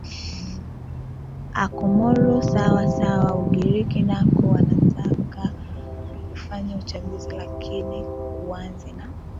a comoro sawa sawa ugiriki nako wanataka kufanya uchaguzi lakini kuanze na